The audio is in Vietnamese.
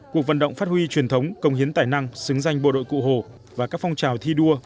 cuộc vận động phát huy truyền thống công hiến tài năng xứng danh bộ đội cụ hồ và các phong trào thi đua